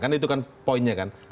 kan itu kan poinnya kan